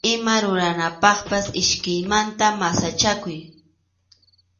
Ima ruranapaqpas iskaymanta masachakuy.